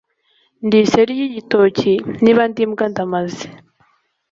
Ndi iseri ry'igitoki niba ndi imbwa ndamaze!